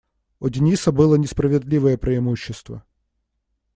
У Дениса было несправедливое преимущество.